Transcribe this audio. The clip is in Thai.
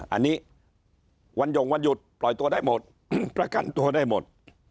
อันนี้วันหย่งวันหยุดปล่อยตัวได้หมดประกันตัวได้หมด